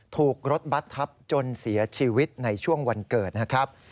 ถูกรถบัตรทับจนเสียชีวิตในช่วงวันเกิดนะครับ